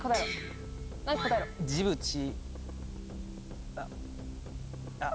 ジブチあっあっ